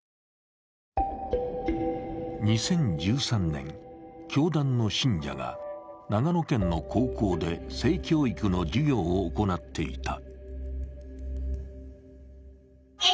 ２０１３年、教団の信者が長野県の高校で性教育の授業を行っていた。